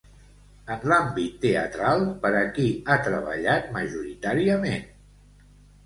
En l'àmbit teatral, per a qui ha treballat majoritàriament?